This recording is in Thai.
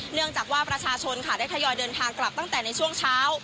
เนื่องจากว่าประชาชนค่ะได้ทยอยเดินทางกลับตั้งแต่ในช่วงเช้า